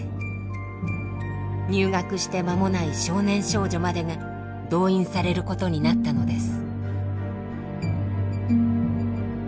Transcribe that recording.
入学して間もない少年少女までが動員されることになったのです。